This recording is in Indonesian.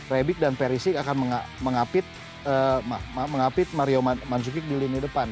rebik dan perisic akan mengapit mario mansuki di lini depan